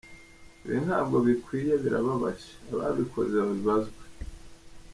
Ibi ntabwo bikwiye birababaje ababikoze babibazwe.